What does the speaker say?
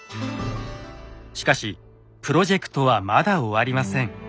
しかしプロジェクトはまだ終わりません。